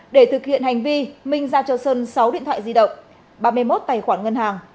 để thực hiện hành vi minh ra cho sơn sáu điện thoại di động ba mươi một tài khoản ngân hàng